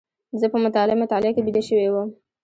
زه په مطالعه مطالعه کې بيده شوی وم.